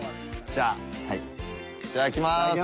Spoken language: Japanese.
じゃあいただきます。